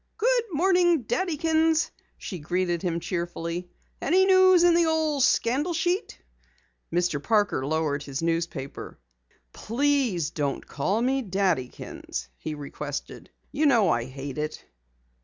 "Good morning, Daddykins," she greeted him cheerfully. "Any news in the old scandal sheet?" Mr. Parker lowered the newspaper. "Please don't call me Daddykins," he requested. "You know I hate it.